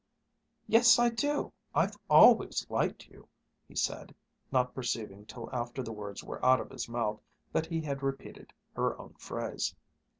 "Yes, I do! I've always liked you!" he said, not perceiving till after the words were out of his mouth that he had repeated her own phrase.